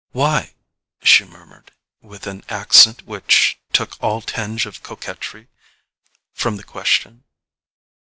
"Why?" she murmured, with an accent which took all tinge of coquetry from the question.